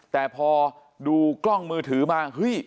แต่พอดูกล้องมือถือมาเฮ้ย